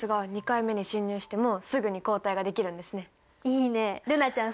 いいね瑠菜ちゃん